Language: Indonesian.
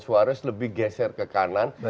harus lebih geser ke kanan